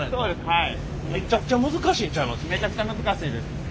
はい。